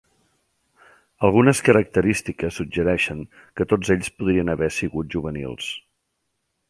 Algunes característiques suggereixen que tots ells podrien haver sigut juvenils.